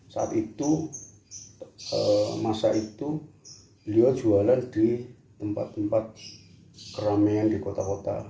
saat itu masa itu beliau jualan di tempat tempat keramaian di kota kota